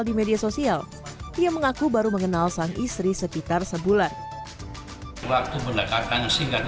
di media sosial ia mengaku baru mengenal sang istri sekitar sebulan waktu melekatkan singkat